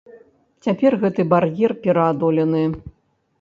Цяпер гэты бар'ер пераадолены.